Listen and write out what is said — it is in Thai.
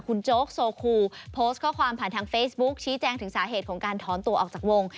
คุณโจ๊กโซคูโพสต์ข้อความผ่านทางเฟซบุ๊คชี้แจงถึงสาเหตุของการถอนตัวออกจากวง